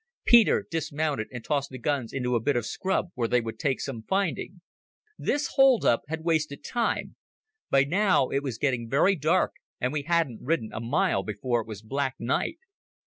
Peter dismounted and tossed the guns into a bit of scrub where they would take some finding. This hold up had wasted time. By now it was getting very dark, and we hadn't ridden a mile before it was black night.